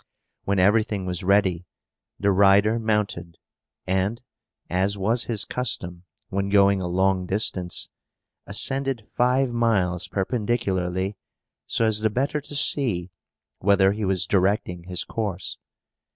When everything was ready, the rider mounted, and (as was his custom, when going a long distance) ascended five miles perpendicularly, so as the better to see whither he was directing his course.